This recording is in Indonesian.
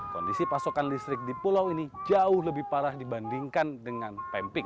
kondisi pasokan listrik di pulau ini jauh lebih parah dibandingkan dengan pemping